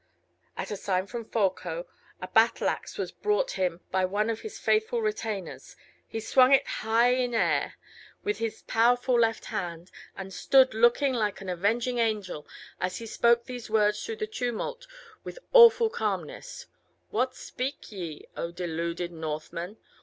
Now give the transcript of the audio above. At a sign from Folko, a battle axe was brought him by one of his faithful retainers; he swung it high in air with his powerful left hand, and stood looking like an avenging angel as he spoke these words through the tumult with awful calmness: "What seek ye, O deluded Northman?